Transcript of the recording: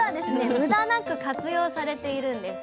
無駄なく活用されているんです。